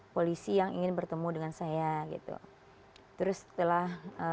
polisi yang ingin bertemu dengan saya gitu terus setelah